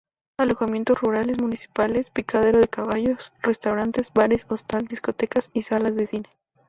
Alojamientos rurales municipales, picadero de caballos, restaurantes, bares, hostal, discotecas y salas de cine.